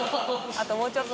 あともうちょっと。